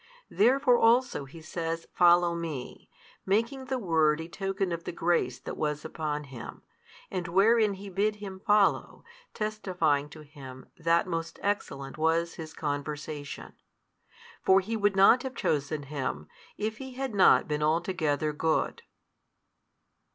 Therefore also He says Follow Me, making the word a token of the grace that was upon him, and wherein he bid him follow, testifying to him that most excellent was his conversation. For Ho would not have chosen him, if he had not been altogether good.